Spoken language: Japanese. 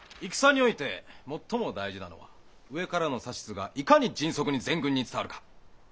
戦において最も大事なのは上からの指図がいかに迅速に全軍に伝わるか。